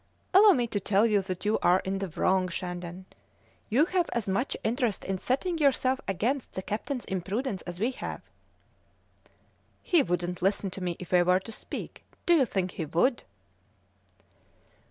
"Allow me to tell you that you are in the wrong, Shandon; you have as much interest in setting yourself against the captain's imprudence as we have." "He wouldn't listen to me if I were to speak; do you think he would?"